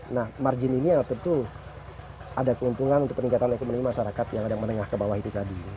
nah margin ini tentu ada keuntungan untuk peningkatan ekonomi masyarakat yang ada menengah ke bawah itu tadi